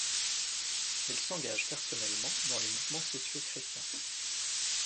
Elle s'engage personnellement dans les mouvements sociaux chrétiens.